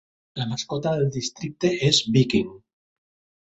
La mascota del districte és Viking.